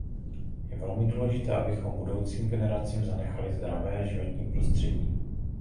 Je velmi důležité, abychom budoucím generacím zanechali zdravé životní prostředí.